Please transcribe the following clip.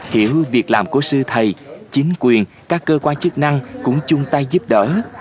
hiểu việc làm của sư thầy chính quyền các cơ quan chức năng cũng chung tay giúp đỡ